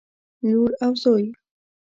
لور او زوى